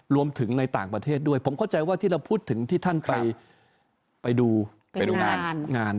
ในต่างประเทศด้วยผมเข้าใจว่าที่เราพูดถึงที่ท่านไปดูไปดูงาน